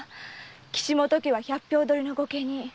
岸本家は百俵取りの御家人。